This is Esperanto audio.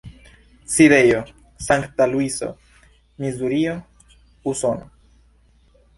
Sidejo: Sankta Luiso, Misurio, Usono.